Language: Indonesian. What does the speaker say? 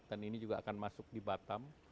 dan ini juga akan masuk di batam